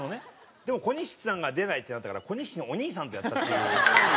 でも小錦さんが出ないってなったから小錦のお兄さんとやったっていう。